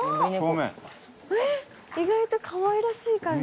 えっ意外とかわいらしい感じ。